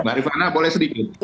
mbak rifana boleh sedikit